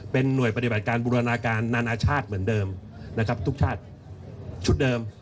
เป็นหน่วยปฏิบัติการบูรณาการนานาชาติเหมือนเดิมนะครับทุกชาติชุดเดิม